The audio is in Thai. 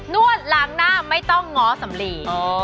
วดล้างหน้าไม่ต้องง้อสำลี